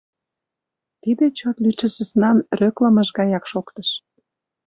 Тиде чот лӱдшӧ сӧснан рӧклымыж гаяк шоктыш.